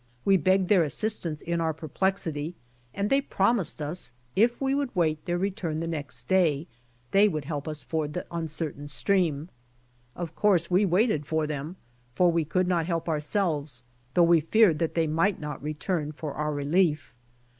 We begged their assistance in our per plexity, and they promised us if we would' await their return the next day they would help us ford the uncer tain stream. Of course we waited for them, for we could not help ourselves, though we feared that they might not return for our relief.